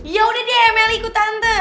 ya udah deh melly ikut tante